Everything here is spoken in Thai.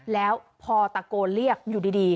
แล้วพอตะโกนเรียกอยู่ดี